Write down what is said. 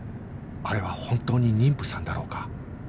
あれは本当に妊婦さんだろうか？